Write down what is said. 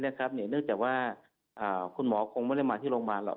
เนื่องจากว่าคุณหมอคงไม่ได้มาที่โรงพยาบาลหรอก